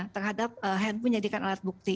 terhadap handphone yang dijadikan alat bukti